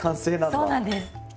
そうなんです。